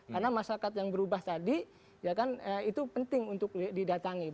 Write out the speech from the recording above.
karena masyarakat yang berubah tadi ya kan itu penting untuk didatangi